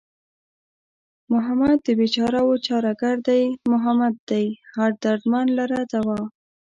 محمد د بېچارهوو چاره گر دئ محمد دئ هر دردمند لره دوا